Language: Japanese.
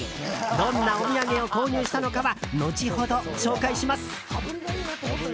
どんなお土産を購入したのかは後ほど紹介します。